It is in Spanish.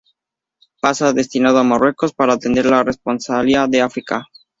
Pasa destinado a Marruecos para atender la corresponsalía de Africa.